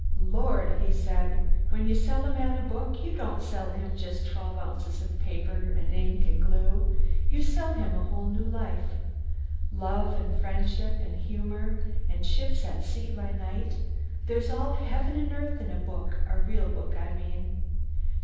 "Lord!" he said, "when you sell a man a book you don't sell him just twelve ounces of paper and ink and glue you sell him a whole new life. Love and friendship and humour and ships at sea by night there's all heaven and earth in a book, a real book I mean.